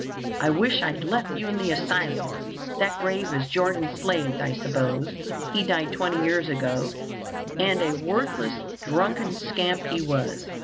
I wish I'd left you in the asylum. That grave is Jordan Slade's, I suppose. He died twenty years ago, and a worthless, drunken scamp he was.